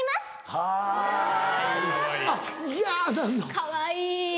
かわいい。